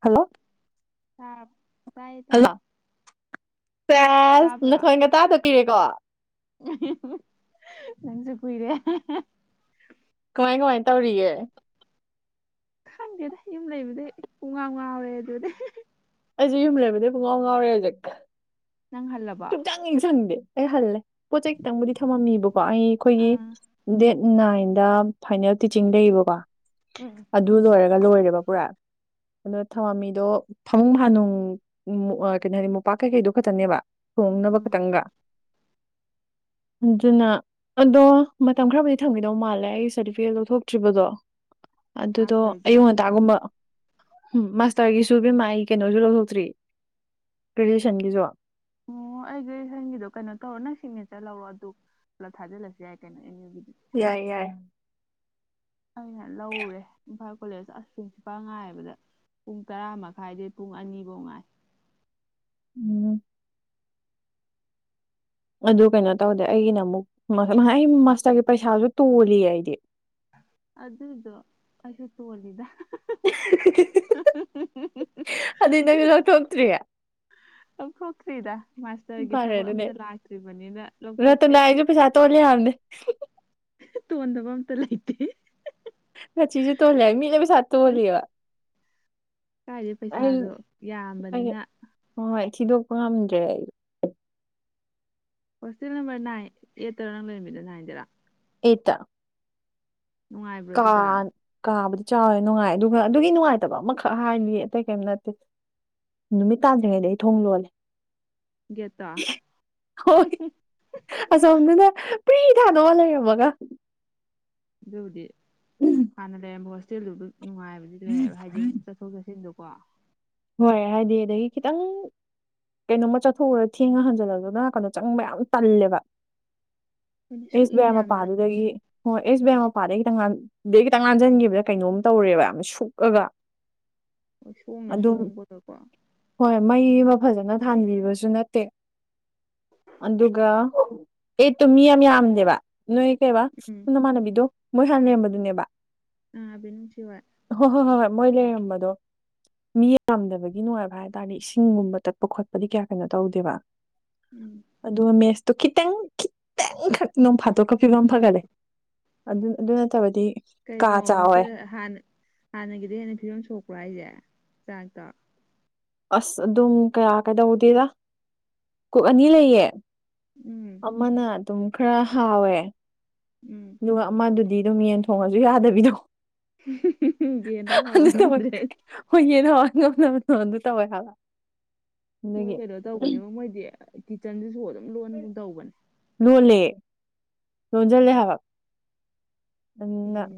hello ꯑꯥ hello ꯁꯦꯁ ꯅꯊꯣꯏꯒ ꯇꯗꯄꯤꯤꯔꯦꯀꯣ ꯅꯟꯁꯨ ꯀꯏꯔꯦ ꯀꯃꯥꯏ ꯀꯃꯥꯏꯅ ꯇꯧꯔꯤꯌꯦꯦ ꯈꯪꯗꯦꯗ ꯌꯨꯝ ꯂꯩꯕꯗꯤ ꯄꯨꯡꯒ ꯉꯥꯎꯔꯦ ꯑꯗꯨꯗꯤ ꯑꯩꯁꯦ ꯌꯨꯝ ꯂꯩꯕꯗꯤ ꯄꯨꯡꯉꯥꯎ ꯉꯥꯎꯔꯦ ꯍꯧꯖꯤꯛ ꯅꯪ ꯍꯜꯂꯕꯣ ꯁꯨꯡꯆꯪ ꯌꯦꯁꯪꯗꯦ ꯑꯩ ꯍꯜꯂꯦ ꯄꯣꯠ ꯆꯩꯩ ꯈꯤꯇꯪꯕꯨꯗꯤ ꯊꯝꯃꯝꯃꯤꯕꯀꯣ ꯑꯩ ꯑꯩꯈꯣꯏꯒꯤ ꯑꯥ ꯗꯦꯠ ꯅꯥꯏꯟꯗ ꯐꯥꯏꯅꯦꯜ ꯇꯤꯆꯤꯡ ꯂꯩꯌꯦꯕꯀꯣ ꯎꯝ ꯑꯗꯨ ꯂꯣꯏꯔꯒ ꯂꯣꯏꯔꯦꯕ ꯄꯨꯔꯥ ꯑꯗꯣ ꯊꯋꯥꯃꯤꯗꯣ ꯐꯃꯨꯡ ꯍꯥꯥꯅꯨꯡ ꯀꯩꯅꯣ ꯍꯥꯏꯅꯤ ꯃꯣꯝꯄꯥꯛ ꯀꯩꯀꯩꯗꯣ ꯈꯛꯇꯅꯦꯕ ꯊꯣꯡꯅꯕ ꯎꯝ ꯈꯇꯪꯒ ꯑꯗꯨꯅ ꯑꯗꯣ ꯃꯇꯝ ꯈꯔꯕꯨꯗꯤ ꯊꯝꯒꯗꯧ ꯃꯥꯜꯂꯦ ꯑꯩꯒꯤ ꯁꯥꯔꯇꯤꯐꯤꯀꯦꯠ ꯂꯧꯊꯣꯛꯇ꯭ꯔꯤꯕꯗꯣ ꯑꯗꯨꯗꯣ ꯑꯌꯨꯛ ꯃꯥꯁꯇꯔꯒꯤꯔꯣ ꯉꯟꯇꯥꯒꯨꯝꯕ ꯎꯝ ꯃꯥꯁꯇꯔꯒꯤꯁꯨ ꯦꯝꯃꯥꯏ ꯀꯩꯅꯣꯁꯨ ꯂꯧꯊꯣꯛꯇ꯭ꯔꯤ ꯒ꯭ꯔꯦꯖꯨꯑꯦꯁꯟꯒꯤꯁꯨ [inaudible] ꯑꯣ ꯑꯩꯒꯤꯪꯒꯤꯗꯣ ꯀꯩꯅꯣ ꯇꯧꯔ ꯅ ꯁꯤꯒꯅꯦꯆꯔ ꯂꯧꯔꯣ ꯑꯗꯨ ꯄꯨꯂꯞ ꯊꯥꯖꯤꯜꯂꯁꯨ ꯌꯥꯏ ꯀꯩꯅꯣ ꯌꯥꯏ ꯌꯥꯏ ꯑꯩꯅ ꯂꯧꯔꯦ ꯏꯝꯐꯥꯜ ꯀꯣꯂꯦꯖ ꯑꯁ ꯄ꯭ꯔꯤꯟꯁꯤꯄꯥꯜ ꯉꯥꯏꯕꯗ ꯄꯨꯡ ꯇꯔꯥ ꯃꯈꯥꯏꯗ ꯄꯨꯡ ꯑꯅꯤꯐꯧ ꯉꯥꯏ [inaudible] ꯎꯝ ꯑꯗꯨ ꯀꯩꯅꯣ ꯇꯧꯗꯦ ꯑꯩꯒꯤꯅ ꯑꯃꯨꯛ ꯑꯩ ꯃꯥꯁꯇꯔꯒꯤ ꯄꯩꯁꯥꯁꯨ ꯇꯣꯜꯂꯤꯌꯦ ꯑꯩꯗꯤ [inaudible] ꯑꯗꯨꯗ ꯑꯗꯨ ꯑꯁ ꯇꯒꯂꯗ ꯑꯗꯨꯗ ꯅ ꯂꯀ ꯍꯇ꯭ꯔꯤꯒ ꯑꯣ ꯇ꯭ꯔꯤꯗ ꯃꯥꯁꯇꯔꯒꯤ ꯊꯕꯛ ꯑꯗꯨꯅꯦ ꯑꯝꯇ ꯂꯥꯛꯇ꯭ꯔꯤꯕꯅꯤꯅ ꯂꯧꯊꯣꯛꯀꯦ ꯔꯇꯅꯥ ꯑꯩꯁꯨ ꯄꯩꯁꯥ ꯇꯣꯜꯂꯤ ꯍꯥꯏꯕꯅꯦ ꯇꯣꯗꯕꯝꯇ ꯂꯩ ꯂꯩꯇꯦ ꯅ ꯆꯤꯁꯨꯦ ꯊꯣꯂꯦ ꯃꯤꯅꯦꯕꯤ ꯁꯥꯠ ꯊ ꯍꯣꯜꯂꯤꯕ ꯀꯥꯏꯗ ꯄꯩꯁꯥꯗꯣ ꯑꯩ ꯌꯥꯝꯕꯅꯤꯅ ꯍꯣꯏ ꯊꯤꯗꯣꯛꯄ ꯉꯝꯗ꯭ꯔꯦ ꯑꯩ ꯍꯣꯁꯇꯦꯜ ꯅꯝꯕꯔ ꯅꯥꯏꯟ ꯑꯦꯠꯠꯇꯧꯔꯣ ꯅꯪ ꯂꯩꯔꯃꯤꯗ ꯍꯥꯏꯗꯔꯥ ꯌꯦꯇ ꯅꯨꯡꯉꯥꯏꯕ꯭ꯔꯣ ꯀꯥ ꯑꯗꯨꯗꯣ ꯀꯥ ꯆꯥꯎꯋꯦ ꯅꯨꯡꯉꯥꯏ ꯑꯗꯨꯒ ꯑꯗꯨꯒꯤ ꯅꯨꯡꯉꯥꯏꯇꯕ ꯑꯃꯈꯛ ꯍꯥꯏꯕꯤꯌꯦ ꯑꯇꯩ ꯀꯩꯝ ꯅꯠꯇꯦ ꯅꯨꯃꯤꯠ ꯇꯥꯟꯗ꯭ꯔꯤꯉꯩꯗ ꯑꯩ ꯊꯣꯡ ꯂꯣꯜꯂꯦ ꯒꯦꯠꯇꯣ ꯑꯁꯥ ꯍꯅꯅ ꯤꯗꯥꯗꯣ ꯋꯥꯂꯕꯒ ꯌ ꯍꯧꯗꯤ ꯀꯅꯂ ꯌꯥꯝꯕ ꯍꯣꯁꯦꯦꯜ ꯅꯨꯡꯉꯥꯏꯕꯗꯤꯗꯤ ꯂꯩꯗꯣ ꯍꯥꯏꯗꯤ ꯆꯠꯊꯣꯛ ꯆꯠꯁꯤꯟꯗꯣꯀꯣ ꯍꯣꯏ ꯍꯥꯏꯗꯤ ꯑꯗꯒꯤ ꯈꯤꯇꯪ ꯀꯩꯅꯣꯝꯃ ꯆꯠꯊꯣꯛꯎꯒ ꯊꯦꯡꯉ ꯍꯟꯖꯤꯜꯂ ꯑꯗꯨꯅꯅꯥꯀꯥꯟꯗ ꯆꯪꯕ ꯌꯥꯝ ꯇꯜꯂꯦꯕ ꯑꯩꯈꯣꯏꯅ ꯏꯁ ꯁꯣꯛꯏꯅꯦ ꯑꯃ ꯌꯥꯝꯅ ꯄꯥꯗꯗꯒꯤ ꯍꯣꯏ ꯑꯦꯁ ꯕꯤ ꯑꯥꯏ ꯃꯄꯥꯗꯩ ꯈꯤꯇꯪ ꯑꯗꯗꯒꯤ ꯈꯤꯇꯪ ꯉꯥꯟꯁꯤꯟꯈꯤꯕꯗ ꯀꯩꯅꯣꯝ ꯇꯧꯔꯦꯕ ꯌꯥꯝ ꯁꯨꯛꯑꯒ [inaudible] ꯍꯣꯏ ꯁꯣꯝꯅ ꯑꯗꯨꯝ ꯁꯣꯡꯕꯗꯀꯣ ꯍꯣꯏ ꯃꯩ ꯑꯃ ꯐꯖꯅ ꯊꯥꯟꯕꯤꯕꯁꯨ ꯅꯠꯇꯦ ꯑꯗꯨꯒ ꯑꯩ ꯇꯣ ꯃꯤ ꯌꯥꯝ ꯌꯥꯝꯗꯦꯕ ꯅꯣꯏ ꯀꯩꯕꯥ ꯎꯝ ꯁꯝ ꯅꯃꯥꯟꯅꯕꯤꯗꯣ ꯃꯣꯏ ꯍꯥꯟꯅ ꯂꯩꯔꯝꯕꯗꯨꯅꯦꯕ ꯑ ꯑꯕꯅ ꯁꯤ ꯋꯥ ꯃꯣꯏꯂꯦꯔꯝꯕꯗꯣ ꯃꯤ ꯌꯥꯝꯗꯕꯒꯤ ꯅꯨꯡꯉꯥꯏꯕ ꯍꯥꯏ ꯇꯥꯔꯗꯤ ꯏꯁꯤꯡꯒꯨꯝꯕ ꯇꯠꯄ ꯈꯣꯠꯄꯗꯤ ꯀꯌꯥ ꯀꯩꯅꯣ ꯇꯧꯗꯦꯕ ꯎꯝ ꯑꯗꯨꯒ ꯃꯦꯁ ꯑꯣ ꯈꯤꯇꯪ ꯈꯤꯇꯪꯈꯛ ꯅꯣꯡ ꯐꯥꯠꯇꯣꯛꯀ ꯐꯤꯕꯝ ꯐꯒꯠꯂꯦ ꯑꯗꯨ ꯑꯗꯨ ꯅꯠꯇꯕꯗꯤ ꯀꯥ ꯀꯩꯅꯣ ꯆꯥꯎꯋꯦ ꯍꯣꯁꯇꯦꯜꯅ ꯍꯥꯟꯅꯒꯤꯗꯤ ꯍꯦꯟꯅ ꯐꯤꯕꯝ ꯁꯣꯛꯄ꯭ꯔꯥ ꯍꯥꯏꯁꯦ ꯆꯥꯡꯀ ꯑꯁ ꯑꯗꯨꯝ ꯀꯌꯥ ꯀꯩꯗꯧꯗꯦꯗ ꯀꯣꯛ ꯑꯅꯤ ꯂꯩꯌꯦ ꯎꯝ ꯑꯃꯅ ꯑꯗꯨꯝ ꯈꯔ ꯍꯥꯎꯋꯦ ꯎꯝ ꯑꯗꯨꯒ ꯑꯃꯗꯨꯗꯤ ꯑꯗꯨꯝ ꯌꯦꯟ ꯊꯣꯡꯉꯁꯨ ꯌꯥꯗꯕꯤꯗꯣ ꯌꯦꯟꯗꯣ ꯑ ꯍꯥꯎꯍꯟ ꯊꯃꯛ ꯉꯝꯗ꯭ꯔꯦ ꯍ ꯌꯦꯅ ꯅ ꯅ ꯇꯣ ꯑꯗꯨ ꯇꯋꯥꯏ ꯍꯥꯏꯋꯥ ꯃꯣꯏ ꯀꯩꯅꯣ ꯇꯧꯕꯅꯦꯕ ꯃꯣꯏꯗꯤ ꯀꯤꯠꯆꯟꯁꯤꯁꯨ ꯑꯗꯨꯝ ꯂꯣꯟꯒꯨꯝ ꯇꯧꯕꯅꯦ ꯂꯣꯜꯂꯦ ꯂꯣꯟꯁꯤꯜꯂꯦ ꯍꯥꯏꯕ ꯅꯪꯅ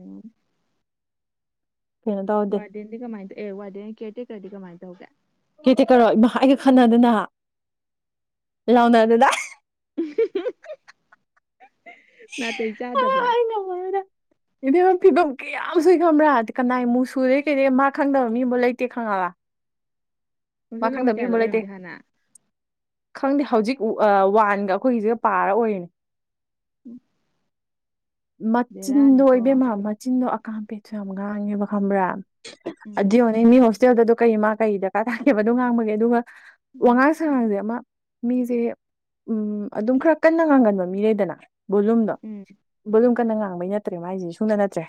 ꯇꯧꯗꯦ ꯋꯥꯔꯗꯦꯟꯗꯤ ꯀꯃꯥꯏꯅ ꯇꯧ ꯑꯦ ꯋꯥꯔꯗꯦꯟ ꯀꯦꯔꯇꯦꯛ ꯈꯔꯗꯤ ꯀꯃꯥꯏꯅ ꯇꯧꯒꯦ ꯀꯩꯇ ꯀꯧꯔꯣ ꯏꯃ ꯑꯩꯒ ꯈꯟꯅꯗꯅ ꯂꯥꯎꯅꯗꯅ ꯅꯥꯇꯩ ꯆꯥꯗꯕ꯭ꯔꯥ ꯏꯅꯦꯦꯝꯕ ꯐꯤꯕꯝ ꯀꯌꯥꯝ ꯁꯨꯏ ꯈꯪꯕ꯭ꯔꯥ ꯀꯅꯥꯏꯃꯨꯛ ꯁꯨꯗꯦ ꯀꯩꯗ ꯃꯥ ꯈꯪꯗꯕ ꯃꯤꯕꯨꯥꯎ ꯂꯩꯇꯦ ꯈꯪꯉꯕ ꯃꯥ ꯃꯁꯣꯜ ꯅꯝꯕꯔ ꯈꯪꯗꯕ ꯃꯤ ꯀꯌꯥꯗꯣ ꯑꯃꯕꯨ ꯂꯩꯇꯦ ꯑꯣꯏꯔꯝꯒꯦ ꯍꯥꯟꯅ ꯈꯪꯗꯦ ꯍꯧꯖꯤꯛ ꯋꯥꯟꯒ ꯑꯩꯈꯣꯏꯒꯤꯁꯤꯒ ꯄꯥꯔ ꯑꯣꯏꯔꯤꯅꯦ ꯎꯝ ꯃꯆꯤꯟꯗꯣ ꯑꯣꯏꯕꯦꯝꯃ ꯃꯆꯤꯟꯗꯣ ꯑꯀꯥꯝꯄꯦꯠꯁꯨ ꯌꯥꯝ ꯉꯥꯡꯉꯦꯕ ꯈꯪꯕ꯭ꯔꯥ ꯎꯝ ꯑꯗꯨ ꯍꯅꯦ ꯃꯤ ꯍꯣꯁꯇꯦꯜꯗꯗꯣ ꯀꯩ ꯃꯥ ꯀꯩ ꯗꯔꯀꯥꯔ ꯇꯥꯒꯦꯕꯗꯣ ꯉꯥꯡꯕꯒꯦ ꯑꯗꯨꯒ ꯎꯝ ꯋꯥꯉꯥꯁꯗꯃ ꯃꯤꯁꯦ ꯎꯝ ꯑꯗꯨꯝ ꯈꯔ ꯀꯟꯅ ꯉꯥꯡꯒꯟꯕ ꯃꯤ ꯂꯩꯩꯗꯅ ꯕꯣꯂꯨꯝꯗꯣ ꯎꯝ ꯑꯗꯨꯝ ꯀꯟꯅ ꯉꯥꯡꯕꯩ ꯅꯠꯇ꯭ꯔꯦ ꯃꯥꯏꯁꯤꯗꯤ ꯁꯨꯅ ꯅꯠꯇ꯭ꯔꯦ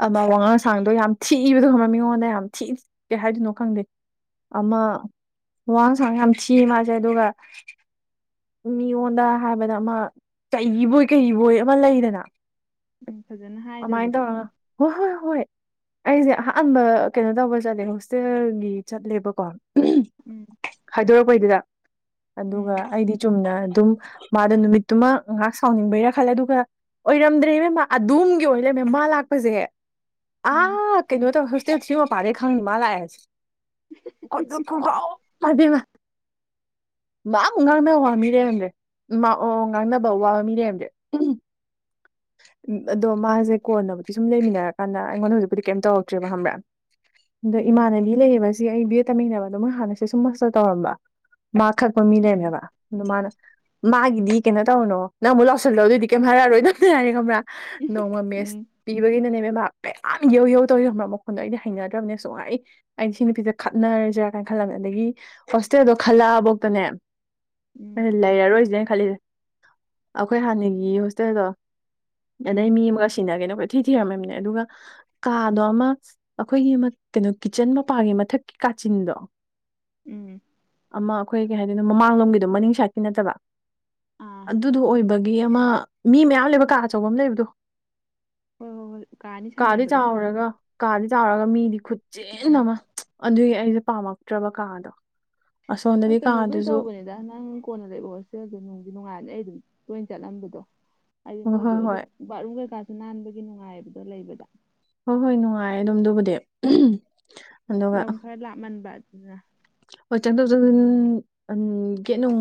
ꯑꯃ ꯋꯥꯉꯥꯡꯁꯥꯡꯗꯣ ꯌꯥꯝ ꯊꯤꯕꯗꯣ ꯈꯪꯃ ꯃꯤꯉꯣꯟꯗ ꯌꯥꯝ ꯊꯤ ꯀꯦ ꯍꯥꯏꯗꯣꯏꯅꯣ ꯈꯪꯗꯦ ꯑꯃ ꯋꯥꯡ ꯁꯥꯡ ꯌꯥꯝ ꯊꯤ ꯃꯥꯁꯦ ꯑꯗꯨꯒ ꯃꯤꯉꯣꯟꯗ ꯍꯥꯏꯕꯗ ꯑꯃ ꯆꯍꯤꯕꯨ ꯀꯩꯕꯣꯏ ꯑꯃ ꯂꯩꯗꯅ ꯎꯝ ꯐꯖꯅ ꯑꯗꯨꯃꯥꯏꯅ ꯍꯥꯏꯗꯕꯗꯣ ꯇꯧꯔꯒ ꯍꯣꯏ ꯍꯣꯏ ꯍꯣꯏ ꯑꯩꯁꯦ ꯑꯍꯥꯟꯕ ꯀꯩꯅꯣ ꯇꯧꯕ ꯆꯠꯂꯦ ꯍꯣꯁꯇꯦꯜꯒꯤ ꯆꯠꯂꯦꯕꯀꯣ ꯎꯝ ꯍꯥꯏꯗꯣꯔꯛꯄꯩꯗꯨꯗ ꯑꯗꯨꯒ ꯎꯝ ꯑꯩꯗꯤ ꯆꯨꯝꯅ ꯑꯗꯨꯝ ꯃꯥꯗ ꯅꯨꯃꯤꯠꯇꯨꯃ ꯉꯥꯏꯍꯥꯛ ꯁꯥꯎꯅꯤꯡꯕ ꯔ ꯈꯜꯂꯦ ꯑꯗꯨꯒ ꯑꯣꯏꯔꯝꯗ꯭ꯔꯦꯅꯦꯦꯝ ꯃꯥ ꯑꯗꯣꯝꯒꯤ ꯑꯣꯏꯔ ꯂꯩꯃꯦ ꯃꯥ ꯂꯥꯛꯄꯁꯦ ꯎꯝ ꯑꯥ ꯀꯩꯅꯣ ꯇꯧ ꯍꯣꯁꯇꯦꯜ ꯁꯤ ꯃꯄꯥꯗꯩ ꯈꯪꯅꯤ ꯃꯥ ꯂꯥꯛꯑꯦꯁꯦ ꯀ ꯀ ꯀꯥꯎꯗꯤꯃ ꯃꯥ ꯉꯥꯡꯅꯕ ꯋꯥ ꯃꯤꯔꯦꯔꯝꯁꯦ ꯑꯣ ꯉꯥꯡꯅꯕ ꯋꯥ ꯃꯤꯔꯦꯔꯝꯁꯦ ꯎ ꯑꯗꯣ ꯃꯥꯁꯦ ꯀꯣꯟꯅꯕꯗꯤ ꯁꯨꯝ ꯂꯩꯃꯤꯟꯅꯔꯀꯥꯟꯗ ꯑꯩꯉꯣꯟꯗ ꯍꯧꯖꯤꯛꯄꯨꯗꯤ ꯀꯩꯝ ꯇꯧꯔꯛꯇ꯭ꯔꯦꯕ ꯍꯝꯕ꯭ꯔꯥ ꯑꯗꯣ ꯎꯝ ꯏꯃꯥꯟꯅꯕꯤ ꯂꯩꯕꯁꯤ ꯑꯩ ꯕꯦ ꯇꯝꯃꯤꯅꯕꯗꯣ ꯃꯣꯏ ꯍꯥꯟꯅꯁꯦ ꯁꯨꯝ ꯃꯁꯇꯜ ꯇꯧꯔꯝꯕ ꯃꯥ ꯈꯛꯄ ꯃꯤ ꯎꯝ ꯂꯩꯃꯦꯕ ꯑ ꯃꯥꯅ ꯃꯥꯒꯤꯗꯤ ꯀꯩꯅꯣ ꯇꯧꯅꯣ ꯅꯪꯕꯨꯛ ꯂꯧꯥꯎꯁꯤꯜꯂꯣꯑꯣ ꯑꯗꯨꯏꯗꯤ ꯀꯩꯝ ꯍꯥꯏꯔꯛꯔꯣꯏ ꯅꯝꯅꯔꯦ ꯈꯪꯝꯕ꯭ꯔꯥ ꯅꯣꯡꯃ ꯃꯦꯁ ꯎꯝ ꯄꯤꯕꯒꯤꯅꯅꯦ ꯃꯦꯝꯃ ꯃꯌꯥꯝ ꯌꯧ ꯌꯧ ꯇꯧ ꯌꯣꯕ꯭ꯔꯥ ꯃꯈꯣꯟꯗꯣ ꯑꯩꯗꯤ ꯍꯩꯅꯗ꯭ꯔꯕꯅꯦ ꯁꯨꯡꯥꯏ ꯑꯩꯗꯤ ꯁꯤ ꯅꯨꯄꯤꯁꯦ ꯈꯠꯅꯔꯁꯤꯔꯥ ꯀꯥꯏꯅ ꯈꯜꯂꯝꯕꯃꯤꯅ ꯑꯗꯒꯤ ꯍꯣꯁꯇꯦꯜꯗꯣ ꯈꯜꯂꯛꯑꯕꯧꯇꯅꯦ ꯎꯝ ꯂꯩꯔꯔꯣꯏꯁꯤꯦꯅ ꯈꯜꯂꯤꯁꯦ ꯑꯩꯈꯣꯏ ꯍꯥꯟꯅꯒꯤ ꯍꯣꯁꯇꯦꯜꯗꯣ ꯑꯗꯩ ꯎꯝ ꯃꯤ ꯑꯃꯒ ꯁꯤꯟꯅꯒꯦꯅ ꯊꯤ ꯊꯤꯔꯝꯃꯤꯕꯅꯦ ꯑꯗꯨꯒ ꯀꯥꯗꯣ ꯑꯃ ꯑꯩꯈꯣꯏꯒꯤ ꯑꯃ ꯀꯩꯅꯣ ꯀꯤꯆꯟ ꯃꯄꯥꯒꯤ ꯃꯊꯛꯀꯤ ꯀ ꯄ ꯆꯤꯟꯗ ꯎꯝ ꯑꯃ ꯑꯩꯈꯣꯏ ꯀꯩ ꯍꯥꯏꯗꯣꯏꯅꯣ ꯃꯃꯥꯡꯂꯣꯝꯒꯤꯗꯣ ꯃꯅꯤꯡ ꯁꯥꯏꯠꯀꯤ ꯅꯠꯇꯕꯥ ꯑꯥ ꯑꯗꯨꯗꯣ ꯑꯣꯏꯕꯒꯤ ꯑꯃ ꯃꯤ ꯃꯌꯥꯝ ꯂꯩꯕ ꯀꯥ ꯑꯆꯧꯕ ꯑꯃ ꯂꯩꯕꯗꯣ ꯍꯣꯏ ꯍꯣꯏ ꯍꯣꯏ ꯀꯥ ꯑꯅꯤ ꯀꯥꯗꯤ ꯁꯝꯅꯕꯗꯣ ꯆꯥꯎꯔꯒ ꯀꯥꯗꯤ ꯆꯥꯎꯔꯒ ꯃꯤꯗꯤ ꯈꯨꯠꯆꯤꯟ ꯎꯝ ꯑꯃ ꯑꯗꯨꯒꯤ ꯑꯩꯁꯦ ꯄꯥꯝꯃꯛꯇ꯭ꯔꯕ ꯀꯥꯗꯣ ꯑ ꯑꯁꯣꯝꯗꯗꯤ ꯀꯩꯅꯣꯕꯨꯗꯤ ꯀꯥꯗꯨꯁꯨ ꯇꯧꯕꯅꯤꯗ ꯅꯪ ꯀꯣꯟꯅ ꯂꯩꯕ ꯍꯣꯠꯁꯦꯜꯁꯦ ꯅꯣꯡꯗꯤ ꯅꯨꯡꯉꯥꯏꯜꯅꯤ ꯑꯩ ꯑꯗꯨꯝ ꯂꯣꯏꯅ ꯆꯠꯂꯝꯕꯗꯣ ꯍꯥꯏꯗꯤ ꯍꯣꯏ ꯃꯣꯏꯗꯣ ꯍꯣꯏ ꯑꯗꯨꯝ ꯍꯣꯏ ꯕꯥꯠꯔꯨꯝ ꯀꯩꯀꯥꯁꯨ ꯅꯥꯟꯕꯒꯤ ꯅꯨꯡꯉꯥꯏꯕꯗꯣ ꯂꯩꯕꯗ ꯍꯣꯏ ꯍꯣꯏ ꯅꯨꯡꯉꯥꯏꯦ ꯑꯗꯨꯝꯗꯨꯕꯨꯗꯤ ꯑꯗꯨꯒ ꯂꯝ ꯈꯔ ꯂꯥꯞꯃꯟꯕ ꯑꯗꯨꯅ ꯍꯣꯏ ꯆꯪꯊꯣꯛ ꯆꯪꯁꯤꯟ ꯒꯦꯠꯅꯨꯡ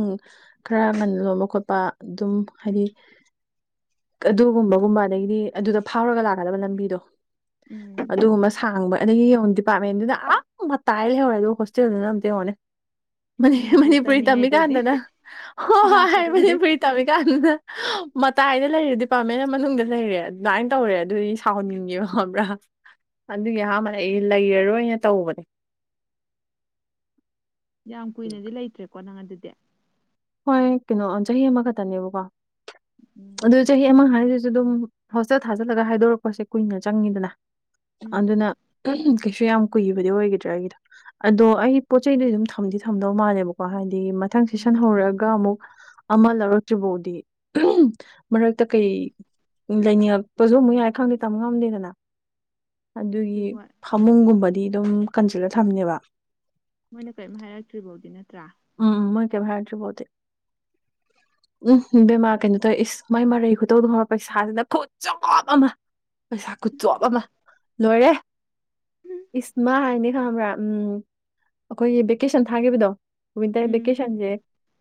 ꯈꯔ ꯉꯟ ꯂꯣꯟꯕ ꯈꯣꯠꯄ ꯑꯗꯨꯝ ꯍꯥꯏꯗꯤ ꯑꯗꯨꯒꯨꯝꯕꯒꯨꯝꯕ ꯑꯗꯒꯤꯗꯤ ꯑꯗꯨꯗ ꯐꯥꯎꯔꯒ ꯂꯥꯛꯀꯗꯕ ꯂꯝꯕꯤꯗꯣ ꯎꯝ ꯑꯗꯨꯒꯨꯝꯕ ꯁꯥꯡꯕ ꯑꯗꯒꯤ ꯌꯦꯡꯉꯣ ꯗꯤꯄꯥꯔꯠꯃꯦꯟꯗꯨꯅ ꯑꯞ ꯃꯇꯥꯏ ꯂꯩꯍꯧꯔꯦ ꯑꯗꯨ ꯍꯣꯁꯇꯦꯜꯗꯨꯅ ꯑꯝꯇ ꯌꯦꯡꯉꯣꯅꯦ ꯃꯅꯤꯄꯨꯔ ꯃꯅꯤꯄꯨꯔꯤ ꯇꯝꯃꯤꯉꯩꯗꯗꯤ ꯇꯝꯃꯤꯀꯥꯟꯗꯅ ꯍꯣꯏ ꯍꯣꯏ ꯑꯔꯥꯞꯄꯗ ꯍꯥꯏꯕꯗꯤ ꯂꯩ ꯐꯔꯤ ꯇꯧꯃꯤ ꯀꯥꯟꯅ ꯃꯇ ꯍꯥꯏꯗ ꯂꯩꯔꯦ ꯗꯤꯄꯥꯔꯠꯃꯦꯟ ꯃꯅꯨꯡꯗ ꯂꯩꯔꯦ ꯑꯗꯨꯃꯥꯏꯅ ꯇꯧꯔꯦ ꯑꯗꯨꯗꯤ ꯁꯥꯎꯅꯤꯡꯉꯦꯕ ꯈꯕ꯭ꯔꯥ ꯑꯗꯨꯒꯤ ꯑꯍꯥꯟꯕꯗ ꯑꯩ ꯂꯩꯔꯔꯣꯏꯅ ꯇꯧꯕꯅꯦ ꯌꯥꯝ ꯀꯨꯏꯅꯗꯤ ꯂꯩꯇ꯭ꯔꯦꯀꯣ ꯅꯪ ꯑꯗꯨꯗꯤ ꯍꯣꯏ ꯀꯩꯅꯣ ꯆꯍꯤ ꯑꯃꯈꯛꯇꯅꯦꯕꯀꯣ ꯎꯝ ꯑꯗꯨ ꯆꯍꯤ ꯑꯃ ꯍꯥꯏꯔꯤꯁꯤ ꯑꯗꯨꯝ ꯍꯣꯁꯇꯦꯜ ꯊꯥꯖꯤꯜꯂꯒ ꯍꯥꯏꯗꯣꯔꯛꯄꯁꯦ ꯀꯨꯏꯅ ꯆꯪꯉꯤꯗꯅ ꯎꯝ ꯑꯗꯨꯅ ꯀꯩꯁꯨ ꯌꯥꯝ ꯀꯨꯏꯕꯗꯤ ꯑꯣꯏꯒꯗ꯭ꯔꯥꯒꯤꯗ ꯑꯗꯣ ꯑꯩ ꯄꯣꯠ ꯆꯩꯩꯗꯨ ꯑꯗꯨꯝ ꯊꯝꯗꯤ ꯊꯝꯗꯧ ꯃꯥꯜꯂꯦꯕꯀꯣ ꯍꯥꯏꯗꯤ ꯃꯊꯪ ꯁꯦꯁꯟ ꯎꯝ ꯍꯧꯔꯒ ꯑꯃ ꯂꯧꯔꯛꯇ꯭ꯔꯤ ꯐꯥꯎꯗꯤ ꯃꯔꯛꯇ ꯀꯩ ꯂꯩꯥꯏꯅꯤꯡꯉꯛ ꯄꯣꯁꯨ ꯑꯃꯨꯛ ꯌꯥꯏ ꯈꯪꯗꯦ ꯇꯝ ꯉꯝꯗꯦꯗꯅ ꯑꯗꯨ ꯑꯗꯨꯒꯤ ꯍꯣꯏ ꯐꯃꯨꯡꯒꯨꯝꯕꯗꯤ ꯑꯗꯨꯝ ꯀꯟꯖꯜꯂ ꯊꯝꯅꯦꯕ ꯃꯣꯏꯅ ꯀꯔꯤꯝ ꯍꯥꯏꯔꯛꯇ꯭ꯔꯤ ꯐꯥꯎꯗꯤ ꯅꯠꯇ꯭ꯔꯥ ꯎꯝ ꯃꯣꯏ ꯀꯦꯚꯥꯏꯔꯁꯨꯕꯣꯗꯤ ꯎꯝ ꯕꯦꯃꯥꯔ ꯀꯩꯅꯣ ꯇꯧꯋꯦ ꯏꯁ ꯃꯥꯏ ꯃꯔꯩ ꯍꯨꯇꯧꯗꯣꯡꯕ ꯄꯩꯁꯥꯁꯤꯅ ꯈꯨꯠꯆꯞ ꯑꯃ ꯄꯩꯁꯥ ꯀꯨꯆꯣꯕ ꯑꯃ ꯂꯣꯏꯔꯦ ꯎꯝ ꯏꯁꯃꯥ ꯍꯥꯏꯅꯤ ꯈꯪꯕ꯭ꯔꯥ ꯎꯝ ꯑꯩꯈꯣꯏꯒꯤ ꯚꯦꯀꯦꯁꯟ ꯊꯥꯈꯤꯕꯗꯣ ꯋꯤꯟꯇꯔ ꯎꯝ ꯚꯦꯀꯦꯁꯟꯁꯦ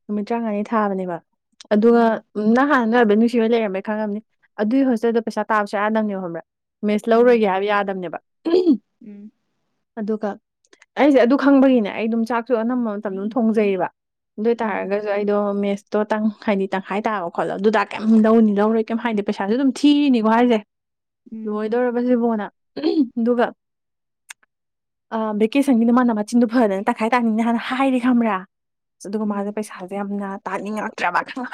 ꯅꯨꯃꯤꯠ ꯇꯔꯥꯉꯥꯅꯤ ꯊꯥꯕꯅꯦꯕ ꯑꯗꯨꯒ ꯎꯝ ꯅꯍꯥꯟ ꯈꯪꯅꯕꯩ ꯅꯨꯡꯁꯤꯕ ꯂꯩꯔꯝꯃꯦꯩ ꯈꯪꯉꯕꯅꯤ ꯑꯗꯨꯒꯤ ꯍꯣꯁꯇꯦꯜꯗꯣ ꯄꯩꯁꯥ ꯇꯥꯕꯁꯨ ꯌꯥꯗꯕꯅꯦꯕꯣꯕ꯭ꯔꯥ ꯃꯦꯁ ꯎꯝ ꯂꯧꯔꯣꯏꯒꯦ ꯍꯥꯏꯕ ꯌꯥꯗꯕꯅꯦꯕ ꯎꯝ ꯑꯗꯨꯒ ꯑꯩꯁꯦ ꯑꯗꯨ ꯈꯪꯕꯒꯤꯅꯦ ꯑꯩ ꯑꯗꯨꯝ ꯆꯥꯛꯁꯨ ꯑꯅꯝꯕ ꯃꯇꯝꯗ ꯑꯗꯨꯝ ꯊꯣꯡꯖꯩꯌꯦꯕ ꯑꯗꯨ ꯑꯣꯏ ꯎꯝ ꯇꯥꯔꯒꯁꯨ ꯑꯩꯗꯣ ꯃꯦꯁ ꯇꯣ ꯇꯪ ꯍꯥꯏꯗꯤ ꯇꯪꯈꯥꯏ ꯇꯥꯕ ꯈꯣꯠꯂꯣ ꯑꯗꯨꯗ ꯀꯩꯝ ꯂꯧꯅꯤ ꯂꯧꯔꯣꯏ ꯀꯩꯝ ꯍꯥꯏꯗꯤ ꯄꯩꯁꯥꯁꯨ ꯑꯗꯨꯝ ꯊꯤꯔꯤꯅꯤꯀꯣ ꯍꯥꯏꯁꯦ ꯎꯝ ꯂꯣꯏꯗꯧꯔꯕ ꯁꯤꯕꯣꯅ ꯑꯗꯨꯒ ꯑ ꯚꯦꯀꯦꯁꯟꯒꯤꯗꯤ ꯃꯥꯅ ꯃꯆꯤꯟꯗꯨ ꯐꯗꯅ ꯇꯥꯈꯥꯏ ꯇꯥꯅꯤꯡꯅꯤ ꯍꯥꯟꯅ ꯍꯥꯏꯔꯤ ꯊ꯭ꯔꯥ ꯑꯗꯨꯒ ꯃꯥꯁꯦ ꯎꯝ ꯄꯩꯁꯥꯁꯦ ꯌꯥꯝꯅ ꯇꯥꯅꯤꯡꯉꯛꯇ꯭ꯔꯕ ꯈꯪ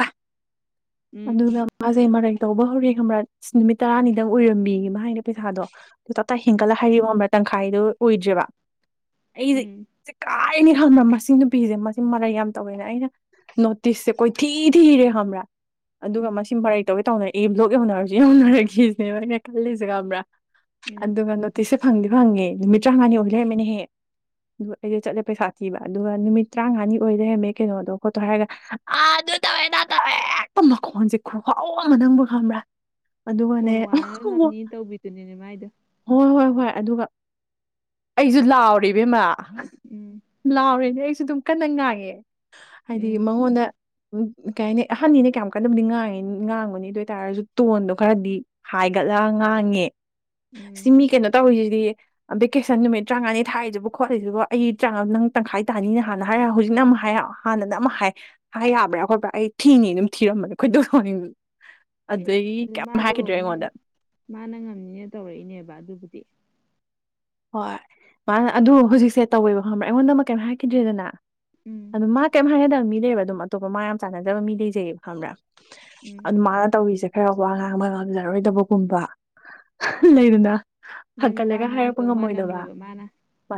ꯎꯝ ꯑꯗꯨꯗ ꯅ ꯃꯥꯁꯦ ꯃꯥꯒ ꯇꯧꯕ ꯍꯧꯔꯦ ꯈꯪ꯭ꯔꯥ ꯅꯨꯃꯤꯠ ꯇꯔꯥꯅꯤꯗꯪ ꯑꯣꯏꯔꯝꯃꯤꯒ ꯃꯥ ꯍꯥꯏꯅ ꯄꯩꯁꯥꯗꯣ ꯑꯗꯨ ꯇꯞꯇꯥ ꯍꯦꯟꯒꯠꯂ ꯎꯝ ꯍꯥꯏꯔꯤꯕ ꯑꯃ ꯇꯪꯈꯥꯏꯗꯣ ꯑꯣꯏꯗ꯭ꯔꯦꯕ ꯑꯩꯁꯦꯦ ꯀꯥꯏꯅꯤ ꯈꯪꯃꯝꯃꯁꯦ ꯁꯤ ꯅꯨꯄꯤꯁꯦ ꯃꯁꯤ ꯃꯔꯩ ꯌꯥꯝ ꯇꯧꯋꯦꯅꯦ ꯑꯩꯅ ꯅꯣꯇꯤꯁꯁꯦ ꯀꯣꯏꯊꯤ ꯊꯤꯔꯦ ꯈꯪꯕ꯭ꯔꯥ ꯑꯗꯨꯒ ꯎꯝ ꯃꯁꯤ ꯃꯔꯩ ꯇꯧꯒꯦ ꯇꯧꯅꯔꯛꯏ ꯕ꯭ꯂꯣꯛ ꯌꯧꯅꯔꯁꯨ ꯌꯧꯅꯔꯒꯁꯤꯅꯦꯕꯅ ꯈꯜꯂꯤꯁꯤꯒ꯭ꯔꯥ ꯎꯝ ꯑꯗꯨꯟ ꯉꯅꯣ ꯇꯤꯁ ꯐꯪꯗꯤ ꯐꯪꯉꯦ ꯅꯨꯃꯤꯠ ꯇꯔꯥꯃꯉꯥꯅꯤ ꯑꯣꯏ ꯂꯩꯔꯝꯃꯤꯅꯦꯍꯦ ꯑꯗꯨꯒ ꯑꯩꯗ ꯆꯠꯂꯦ ꯄꯩꯁꯥ ꯊꯤꯕ ꯑꯗꯨꯒ ꯅꯨꯃꯤꯠ ꯇꯔꯥꯃꯉꯥꯅꯤ ꯑꯣꯏꯗꯔꯃꯦ ꯀꯩꯅꯣꯗꯣ ꯈꯣꯠꯇꯣ ꯍꯥꯏꯔꯒ ꯑꯥ ꯇꯧꯦ ꯍꯦꯛꯇ ꯃꯈꯣꯟꯁꯦ ꯈꯨꯍꯥꯎ ꯑꯃ ꯅꯪꯕꯨ ꯈꯪꯕ꯭ꯔꯥ ꯑꯗꯨꯒꯅꯦ ꯐꯣꯟ ꯋꯥꯔꯒ ꯉꯝꯅꯤ ꯇꯧꯕꯤꯗꯨꯅꯤꯅꯦ ꯃꯥꯏꯗꯣ ꯍꯣꯏ ꯍꯣꯏ ꯍꯣꯏ ꯑꯗꯨꯒ ꯑꯩꯁꯨ ꯂꯥꯎꯔꯤꯕꯦꯝꯃ ꯎꯝ ꯐꯅꯦ ꯑꯩꯁꯨ ꯑꯗꯨꯝ ꯀꯟꯅ ꯉꯥꯡꯉꯦ ꯍꯥꯏꯗꯤ ꯎꯝ ꯃꯉꯣꯟꯗ ꯎ ꯀꯩ ꯍꯥꯏꯅꯤ ꯑꯍꯟꯅꯤꯅ ꯀꯌꯥꯃꯨꯛꯀꯟꯗꯝꯗꯤ ꯉꯥꯡꯉꯤ ꯉꯥꯡꯒꯨꯅꯤ ꯑꯗꯨ ꯑꯣꯏꯇꯥꯔꯁꯨ ꯇꯣꯟꯗꯣ ꯈꯔꯗꯤ ꯍꯥꯏꯒ ꯂ ꯉꯥꯡꯉꯦ ꯁꯤ ꯎꯝ ꯃꯤ ꯀꯩꯅꯣ ꯇꯧꯔꯤꯁꯤ ꯗꯤ ꯚꯦꯀꯦꯁꯟ ꯅꯨꯃꯤꯠ ꯇꯔꯥꯉꯥꯅꯤ ꯊꯥꯔꯤꯁꯤ ꯈꯣꯠꯂꯤꯁꯤꯕ ꯑꯩ ꯇꯔꯥꯉꯥ ꯅꯪ ꯇꯪꯈꯥꯏ ꯇꯥꯅꯤꯅ ꯍꯥꯟꯅ ꯍꯥꯏꯔ ꯍꯧꯖꯤꯛꯅ ꯑꯃꯛ ꯍꯥꯏꯔ ꯍꯥꯟꯅ ꯑꯃꯛ ꯍꯥꯏꯕ꯭ꯔꯥ ꯈꯣꯠꯄ꯭ꯔꯥ ꯑꯩ ꯊꯤꯅꯤ ꯑꯗꯨꯝ ꯊꯤꯔ ꯑꯩꯈꯣꯏꯗꯅꯤꯡ ꯑꯗꯨ ꯃꯥꯗꯣ ꯃꯥꯅ ꯉꯝꯅꯤꯅ ꯇꯧꯔꯛꯏꯅꯦꯕ ꯑꯗꯨꯕꯨꯗꯤ ꯍꯣꯏ ꯃꯥꯅ ꯑꯗꯨ ꯍꯧꯖꯤꯛꯁꯦ ꯇꯧꯕꯤꯕ ꯐꯪꯕ꯭ꯔꯥ ꯑꯩꯉꯣꯟꯗ ꯑꯃ ꯀꯩꯝꯣ ꯍꯥꯏꯈꯤꯗ꯭ꯔꯦꯗꯅ ꯎꯝ ꯑꯗꯨ ꯃꯥ ꯀꯔꯤꯝ ꯍꯥꯏꯅꯗꯕ ꯃꯤ ꯂꯩꯕ ꯑꯗꯨꯝ ꯑꯇꯣꯞꯄ ꯃꯥ ꯌꯥꯝ ꯆꯥꯟꯅꯗꯕ ꯃꯤ ꯂꯩꯖꯩꯑꯕ ꯈꯪꯕ꯭ꯔꯥ ꯎꯝ ꯑꯗꯨ ꯃꯥꯅ ꯇꯧꯔꯤꯁꯦ ꯍꯔꯥꯎꯕ ꯑꯉꯥꯡ ꯃ ꯉꯝꯖꯔꯣꯏꯗꯕꯒꯨꯝꯕ ꯂꯩꯗꯅ ꯅꯪꯗꯤ ꯋꯥ ꯍꯪꯀꯠꯂꯒ ꯉꯥꯡꯗꯧ ꯃꯥꯜꯂꯝꯃꯣꯏꯕ ꯃꯥꯅ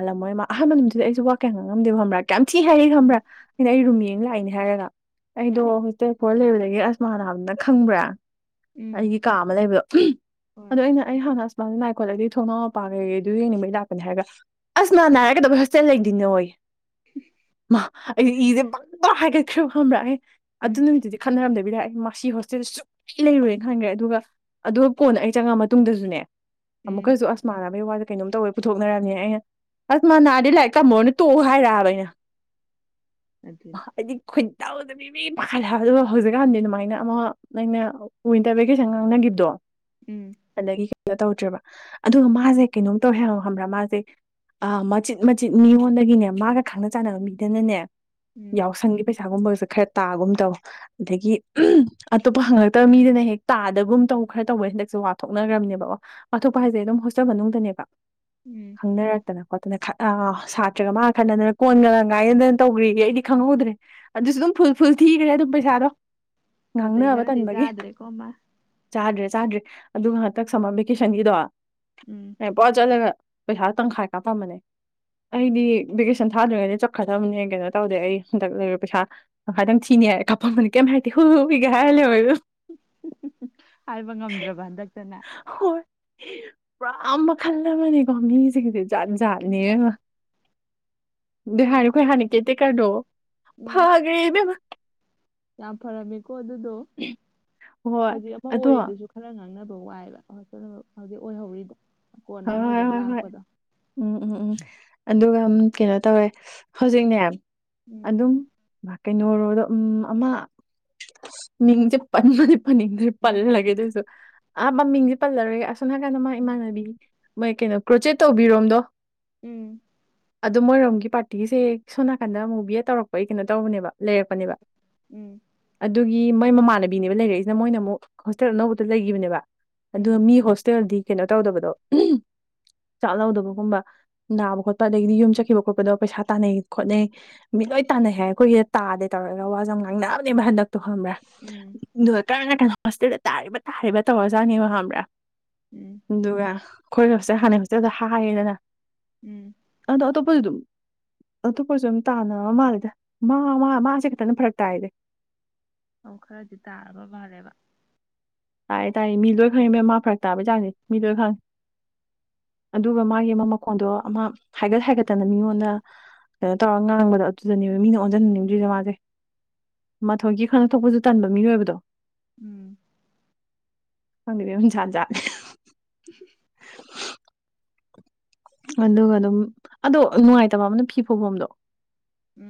ꯈꯜꯂꯝꯃꯣꯏ ꯃꯥ ꯑꯍꯥꯟꯕꯃꯗꯨꯗ ꯑꯩꯁꯨ ꯋꯥ ꯀꯌꯥ ꯉꯥꯡꯉꯗꯕ ꯈꯕ꯭ꯔꯥꯌꯥꯝ ꯊꯤ ꯍꯥꯏꯔ ꯈꯪꯕ꯭ꯔꯥ ꯎꯝ ꯑꯩꯅ ꯑꯩ ꯔꯨꯝꯃꯤ ꯂꯥꯛꯏꯅꯦ ꯍꯥꯏꯔꯒ ꯑꯩꯗꯣ ꯍꯣꯁꯇꯦꯜ ꯐꯜ ꯂꯩꯕꯗꯒꯤ ꯑꯁꯃꯥ ꯅꯥꯝꯅ ꯈꯪꯕ꯭ꯔꯥ ꯎꯝ ꯑꯩꯒꯤ ꯀꯥ ꯑꯃ ꯂꯩꯕꯗꯣ ꯍꯣꯏ ꯑꯗꯨꯗꯣ ꯑꯩꯅ ꯑꯩ ꯍꯥꯟꯅ ꯑꯁꯨꯃꯅ ꯅꯥꯏ ꯈꯣꯠꯂꯗꯤ ꯊꯣꯡꯅꯥꯎ ꯃꯄꯥꯡꯈꯩꯀꯩ ꯑꯗꯨ ꯌꯦꯡꯅꯤꯡꯕꯩ ꯂꯥꯛꯄꯅꯤ ꯍꯥꯏꯔꯒ ꯑꯁ ꯃꯥꯥꯟꯅ ꯍꯥꯏꯔꯒꯗꯕ ꯍꯣꯁꯇꯦꯜ ꯂꯩꯗꯣꯏꯅꯦ ꯍꯣꯏ ꯎꯝ ꯑꯩꯗꯤ ꯏꯁꯦ ꯕꯪꯕ ꯍꯥꯏꯒꯠꯈ꯭ꯔꯕ ꯈꯕ꯭ꯔꯥꯦ ꯎꯝ ꯑꯗꯨ ꯅꯨꯃꯤꯠꯇꯨꯗꯤ ꯈꯟꯅꯔꯝꯗꯦ ꯍꯣꯁꯇꯦꯜ ꯁꯨꯛꯂꯩ ꯂꯩꯔꯨꯔꯦꯅ ꯈꯟꯈ꯭ꯔꯦ ꯑꯗꯨꯒ ꯀꯣꯟꯗ ꯑꯩ ꯆꯪꯉꯛꯑ ꯃꯇꯨꯡꯗꯁꯨꯅꯦ ꯎꯝ ꯑꯃꯨꯛꯁꯨ ꯑꯁ ꯃꯥꯥ ꯋꯥꯗꯦ ꯀꯩꯅꯣꯝ ꯇꯧꯋꯦ ꯄꯨꯊꯣꯛꯅꯔꯝꯅꯦ ꯑꯩꯅ ꯑꯁ ꯃꯅꯥꯗꯤ ꯂꯥꯏꯔꯤꯛ ꯇꯝꯃꯨꯔꯅꯦ ꯇꯣꯛꯎ ꯍꯥꯏꯔꯛꯑꯕ ꯑꯩꯅ ꯑꯗꯨꯅꯤ ꯍꯥꯏꯗꯤ ꯈꯨꯟ ꯇꯧꯗꯕꯤ ꯃꯤ ꯄꯥꯈꯠ ꯑꯗꯨꯒ ꯍꯧꯖꯤꯛꯀꯥꯟꯗꯤ ꯑꯗꯨꯃꯥꯏꯅ ꯑꯃꯨꯛ ꯅꯪꯩꯅ ꯋꯤꯟꯇꯔ ꯚꯦꯀꯦꯁꯟ ꯉꯥꯡꯅꯈꯤꯕꯗꯣ ꯎꯝ ꯑꯗꯒꯤ ꯀꯩꯅꯩꯅꯣ ꯇꯧꯗ꯭ꯔꯦꯕ ꯑꯗꯨꯒ ꯃꯥꯁꯦ ꯀꯩꯅꯣꯝ ꯇꯧꯋꯦ ꯍꯥꯏꯉꯣ ꯈꯕ꯭ꯔꯥ ꯃꯥꯁꯦ ꯑ ꯃꯆꯤꯠ ꯃꯆꯤꯠ ꯃꯤꯉꯣꯟꯗꯒꯤꯅꯦ ꯃꯥꯒ ꯈꯪꯅ ꯆꯥꯟꯅꯕ ꯃꯤꯗꯅꯅꯦ ꯎꯝ ꯌꯥꯎꯁꯪꯒꯤ ꯄꯩꯁꯥꯒꯨꯝꯕꯁꯨ ꯈꯔ ꯇꯥꯒꯨꯝ ꯇꯧ ꯑꯗꯒꯤ ꯑꯇꯣꯞꯄ ꯍꯪꯉꯛꯇꯕ ꯃꯤꯗꯅ ꯍꯦꯛ ꯇꯥꯗꯕꯒꯨꯝ ꯇꯧ ꯈꯔ ꯇꯧꯕ ꯍꯟꯗꯛꯁꯨꯦ ꯋꯥꯊꯣꯛꯅꯈ꯭ꯔꯕꯅꯦꯕ ꯑꯣ ꯋꯥꯊꯣꯛꯄ ꯍꯥꯏꯁꯦ ꯑꯗꯨꯝ ꯍꯣꯁꯇ ꯃꯅꯨꯡꯗꯅꯦꯕ ꯎꯝ ꯈꯪꯅꯔꯛꯇꯅ ꯈꯣꯠꯇꯅ ꯑ ꯁꯥꯇ꯭ꯔꯒ ꯃꯥꯒ ꯈꯠꯅꯗꯅ ꯀꯣꯟꯒꯪ ꯉꯥꯏꯅꯗꯅ ꯇꯧꯈ꯭ꯔꯤꯒꯦ ꯑꯩꯗꯤ ꯈꯪꯍꯧꯗ꯭ꯔꯦ ꯑꯗꯨꯁꯨ ꯑꯗꯨꯝ ꯐꯨ ꯐꯨꯜ ꯊꯤꯈ꯭ꯔꯦ ꯑꯗꯨꯝ ꯄꯩꯁꯥꯗꯣ ꯅꯥꯇꯩ ꯉꯥꯡꯅꯕ ꯈꯔꯗꯤ ꯇꯟꯕꯒꯤ ꯆꯥꯗ꯭ꯔꯦꯀꯣ ꯃꯥ ꯆꯥꯗ꯭ꯔꯦ ꯆꯥꯗ꯭ꯔꯔꯤ ꯑꯗꯨꯒ ꯉꯍꯥꯛꯇ ꯁꯝꯃꯔ ꯚꯦꯀꯦꯁꯟꯒꯤꯗꯣ ꯎꯝ ꯄꯣ ꯆꯠꯂꯒ ꯄꯩꯁꯥ ꯇꯪꯈꯥꯏꯒ ꯄꯝꯕꯅꯦ ꯑꯩꯗꯤ ꯚꯦꯀꯦꯁꯟ ꯊꯥꯗ꯭ꯔꯤꯉꯩꯗ ꯆꯠꯀꯗꯕꯅꯦ ꯀꯩꯅꯣ ꯇꯧꯗꯦ ꯑꯩ ꯍꯟꯗꯛ ꯂꯩꯔ ꯄꯩꯁꯥ ꯍꯥꯏꯥꯏꯗꯪ ꯊꯤꯅꯤ ꯍꯥꯏꯔꯦ ꯀꯥꯄꯕꯅꯤ ꯀꯩꯝ ꯍꯥꯏꯇꯦ ꯍꯨ ꯍꯨꯏꯒꯦ ꯍꯥꯏꯔ ꯂꯩꯔ ꯍꯥꯏꯕ ꯉꯝꯗ꯭ꯔꯕ ꯍꯟꯗꯛꯇꯅꯦ ꯍꯣꯏ ꯄꯨꯔꯥ ꯃ ꯈꯜꯗ ꯃꯥꯅꯦ ꯀꯝꯁꯦ ꯖꯥꯠꯖ ꯍꯥꯜꯅꯤ ꯑꯗꯨ ꯍꯥꯟꯅꯈꯣꯏ ꯍꯣꯁꯇꯦꯜ ꯍꯥꯟꯅ ꯀꯦꯠꯇꯦ ꯀꯅꯣ ꯎꯝ ꯐꯈ꯭ꯔꯦ ꯃꯦꯝ ꯌꯥꯝ ꯐꯔꯝꯃꯦꯀꯣ ꯑꯗꯨꯗꯣ ꯍꯣꯏ ꯍꯧꯖꯤꯛ ꯑꯃ ꯑꯗꯣ ꯑꯣꯏꯔꯤꯗꯨꯁꯨ ꯈꯔ ꯉꯥꯡꯅꯕ ꯋꯥꯏꯕ ꯍꯧꯖꯤꯛ ꯑꯣꯏꯍꯧꯔꯤꯗꯣ ꯍꯣꯏ ꯀꯣꯟꯅ ꯑꯅꯧꯕ ꯍꯣꯏ ꯑꯃ ꯍꯣꯏ ꯍꯣꯏ ꯂꯥꯛꯄꯗꯣ ꯎꯝ ꯎꯝ ꯎꯝ ꯑꯗꯨꯒ ꯀꯩꯅꯣ ꯇꯧꯋꯦ ꯍꯧꯖꯤꯛꯅꯦ ꯎꯝ ꯑꯗꯨꯝ ꯀꯩꯅꯣꯗ ꯑꯃ ꯃꯤꯡꯁꯦ ꯄꯟꯕꯗꯤ ꯃꯃꯤꯡꯁꯦ ꯎꯝ ꯄꯜꯂꯒꯦ ꯑꯗꯨꯁꯨ ꯑꯥ ꯃꯃꯤꯡꯁꯦ ꯄꯜꯂꯔꯣꯏꯒꯦ ꯑꯁꯣ ꯍꯥꯏꯅꯥꯀꯥꯟꯗ ꯃꯥ ꯏꯃꯥꯟꯅꯕꯤ ꯃꯣꯏ ꯀꯩꯅꯣ ꯀ꯭ꯔꯣꯆꯦꯠ ꯇꯧꯕꯤꯔꯣꯝꯗꯣ ꯎꯝ ꯑꯗꯣ ꯃꯣꯏꯔꯣꯝꯒꯤ ꯄꯥꯔꯇꯤꯁꯦ ꯁꯣꯝ ꯅꯥꯀꯟꯗ ꯑꯃꯨ ꯚꯕꯤꯦꯠ ꯇꯧꯔꯛꯄꯒꯤ ꯀꯩꯅꯣ ꯇꯧꯕꯅꯦꯕ ꯂꯩꯔꯛꯄꯅꯦꯕ ꯎꯝ ꯑꯗꯨꯒꯤ ꯒꯤ ꯃꯣꯏ ꯃꯃꯥꯟꯅꯕꯤꯅꯦꯕ ꯂꯩꯔꯛꯏꯁꯤꯅ ꯃꯣꯏꯅ ꯑꯃꯨꯛ ꯍꯣꯁꯇꯦꯜ ꯑꯅꯧꯕꯗ ꯂꯩꯈꯤꯕꯅꯦꯕ ꯑꯗꯨꯒ ꯎꯝ ꯃꯤ ꯍꯣꯁꯇꯦꯜꯗꯤ ꯀꯩꯅꯣ ꯇꯧꯗꯕꯗꯣ ꯆꯥꯛ ꯂꯧꯗꯕꯒꯨꯝꯕ ꯅꯥꯕ ꯈꯣꯠꯄ ꯎꯝ ꯑꯗꯒꯤꯗꯤ ꯌꯨꯝ ꯆꯠꯈꯤꯕ ꯈꯣꯠꯄꯗꯣ ꯄꯩꯁꯥ ꯇꯥꯟꯅꯩ ꯈꯣꯠꯅꯩ ꯃꯤꯠ ꯂꯣꯏ ꯇꯥꯟꯅꯩ ꯍꯥꯏ ꯑꯩꯈꯣꯏꯒꯤꯗ ꯇꯥꯗꯦ ꯇꯧꯔꯒ ꯋꯥꯁꯦ ꯌꯥꯝ ꯉꯥꯡꯅꯕꯅꯕꯅꯦꯕ ꯍꯟꯗꯛ ꯑꯣ ꯈꯪꯕ꯭ꯔꯥ ꯎꯝ ꯎꯝ ꯑꯗꯨꯒ ꯀꯔꯝꯅ ꯀꯅꯥ ꯍꯣꯁꯇꯦꯜꯗ ꯇꯥꯔꯤꯕ ꯇꯥꯔꯤꯕ ꯇꯧꯔꯖꯥꯠꯅꯦꯕ ꯈꯪꯕ꯭ꯔꯥ ꯎꯝ ꯑꯗꯨꯒ ꯑꯩꯈꯣꯏꯒꯁꯦ ꯍꯥꯟꯅ ꯍꯧꯁꯦ ꯑꯗꯨꯗ ꯍꯥꯏꯌꯦꯗꯅ ꯎꯝ ꯄ ꯑꯗꯨꯨꯝ ꯑꯇꯣꯞꯄꯁꯨ ꯑꯗꯨꯝ ꯇꯥꯅꯕꯅꯕ ꯃꯥꯜꯜꯂꯤꯦꯗ ꯃꯥ ꯃꯥ ꯃꯥꯁꯦ ꯈꯤꯇꯅ ꯐꯔꯛ ꯇꯥꯏꯗꯤ ꯑꯃ ꯈꯔꯗꯤ ꯇꯥꯔꯕ ꯐꯔꯦꯕ ꯇꯥꯔ ꯇꯥꯔꯦ ꯃꯤ ꯂꯣꯏ ꯈꯪꯉꯤꯕꯦꯝ ꯃꯥ ꯐꯔꯛ ꯇꯥꯕꯩ ꯆꯥꯡꯅꯤ ꯃꯤ ꯂꯣꯏ ꯈꯪꯉꯤ ꯑꯗꯨꯒ ꯃꯥꯒꯤ ꯑꯃ ꯃꯈꯣꯟꯗꯣ ꯑꯃ ꯍꯥꯏꯒꯠ ꯍꯥꯏꯒꯠꯇꯅ ꯃꯤꯉꯣꯟꯗ ꯑꯗꯨꯃꯥꯏꯅ ꯇꯧꯔꯒ ꯉꯥꯡꯕꯗ ꯑꯗꯨꯗꯅꯦꯕ ꯃꯤꯅ ꯑꯣꯟꯁꯤꯟꯍꯟꯅꯤꯡꯗꯣꯏꯔꯤꯁꯦ ꯃꯥꯁꯦ ꯃꯊꯣꯏꯒꯤ ꯈꯪꯅ ꯊꯣꯛꯄꯁꯨ ꯇꯟꯕ ꯃꯤꯑꯣꯏꯕꯗꯣ ꯎꯝ ꯍꯧꯒꯗꯤ ꯍꯨ ꯆꯥꯖꯒ [inaudible] ꯑꯗꯨꯒ ꯑꯗꯨꯝ ꯑꯗꯣ ꯅꯨꯡꯉꯥꯏꯇꯕ ꯑꯃꯅ ꯐꯤ ꯐꯥꯎꯐꯝꯝꯗꯣ